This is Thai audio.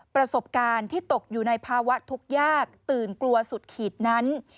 ประสบการณ์ที่ตกอยู่ในภาวะทุกข์ยากตื่นกลัวสุดขีดนั้น